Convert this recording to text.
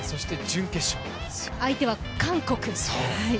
相手は韓国。